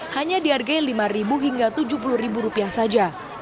hanya dihargai lima ribu hingga tujuh puluh ribu rupiah saja